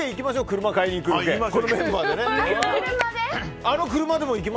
車買いに行くロケ。